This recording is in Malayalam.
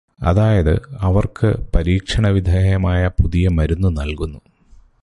അതായത്, അവര്ക്ക് പരീക്ഷണവിധേയമായ പുതിയ മരുന്നു നല്കുന്നു.